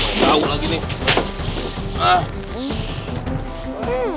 tau tau lagi nih